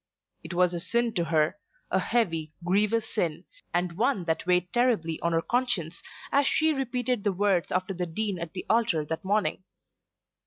It was a sin to her, a heavy, grievous sin, and one that weighed terribly on her conscience as she repeated the words after the Dean at the altar that morning.